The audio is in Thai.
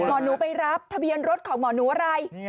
หมอหนูไปรับทะเบียนรถของหมอหนูอะไร